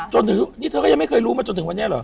จนถึงนี่เธอก็ยังไม่เคยรู้มาจนถึงวันนี้เหรอ